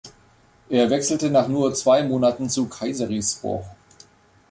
Er wechselte nach nur zwei Monaten zu Kayserispor.